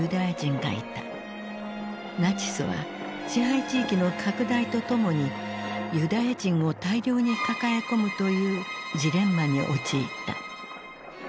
ナチスは支配地域の拡大とともにユダヤ人を大量に抱え込むというジレンマに陥った。